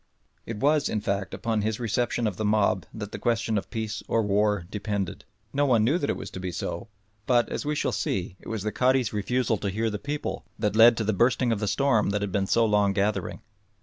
It was, in fact, upon his reception of the mob that the question of peace or war depended. No one knew that it was to be so, but, as we shall see, it was the Cadi's refusal to hear the people that led to the bursting of the storm that had been so long gathering.